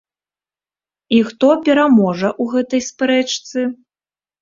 І хто пераможа ў гэтай спрэчцы?